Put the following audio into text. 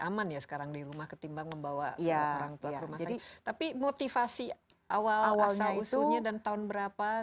aman ya sekarang di rumah ketimbang membawa orang tua tapi motivasi awal asal usunya dan tahun berapa